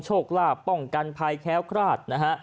โชคลาภป้องกันพัยแค้วคราช